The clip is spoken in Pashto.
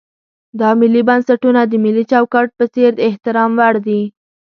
دا ملي بنسټونه د ملي چوکاټ په څېر د احترام وړ دي.